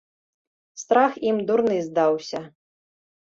Страх ім дурны здаўся.